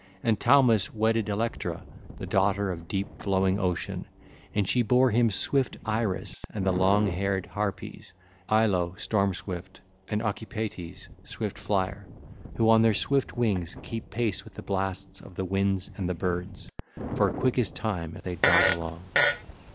(ll. 265 269) And Thaumas wedded Electra the daughter of deep flowing Ocean, and she bare him swift Iris and the long haired Harpies, Aello (Storm swift) and Ocypetes (Swift flier) who on their swift wings keep pace with the blasts of the winds and the birds; for quick as time they dart along.